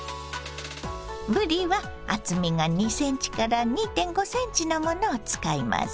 ぶりは厚みが２ｃｍから２．５ｃｍのものを使います。